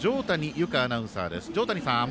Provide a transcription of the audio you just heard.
有香アナウンサーです。